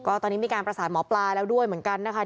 ก็ตอนนี้มีการประสานหมอปลาแล้วด้วยเหมือนกันนะคะ